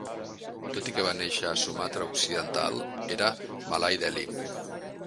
Tot i que va néixer a Sumatra occidental, era malai deli.